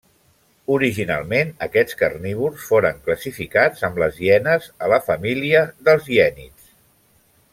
Originalment, aquests carnívors foren classificats amb les hienes a la família dels hiènids.